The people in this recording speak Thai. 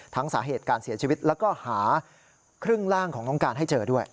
สาเหตุการเสียชีวิตแล้วก็หาครึ่งร่างของน้องการให้เจอด้วย